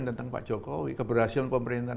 tentang pak jokowi keberhasilan pemerintahan